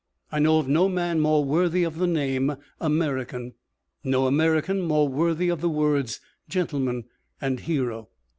I know of no man more worthy of the name 'American,' no American more worthy of the words 'gentleman' and 'hero.'